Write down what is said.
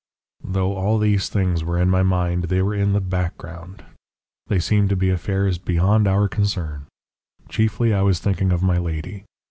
"Though all these things were in my mind, they were in the background. They seemed to be affairs beyond our concern. Chiefly, I was thinking of my lady.